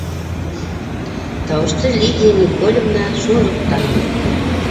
Тауышты Лидия Николевна шундуҡ таныны.